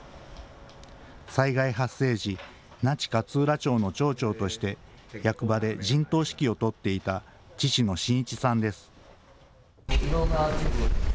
災害発生時、那智勝浦町の町長として、役場で陣頭指揮を執っていた、父の眞一さんです。